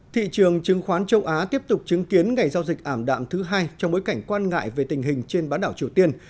thị trường chứng khoán châu á tiếp tục chứng kiến ngày giao dịch ảm đạm thứ hai trong bối cảnh quan ngại về tình hình trên bán đảo triều tiên